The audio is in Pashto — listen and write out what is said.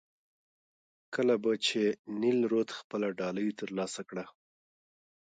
کله به چې نیل رود خپله ډالۍ ترلاسه کړه.